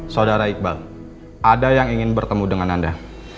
saudara iqbal ada yang ingin bertemu dengan anda